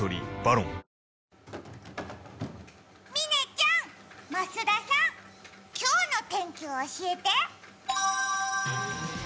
嶺ちゃん、増田さん、今日の天気を教えて。